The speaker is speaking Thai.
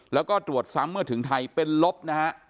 แล้วก็ตรวจซ้ำเมื่อถึงไทยเป็นลบนะฮะ